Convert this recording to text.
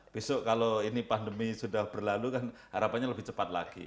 besok kalau ini pandemi sudah berlalu kan harapannya lebih cepat lagi